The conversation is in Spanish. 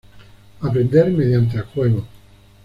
Aprender mediante el juego.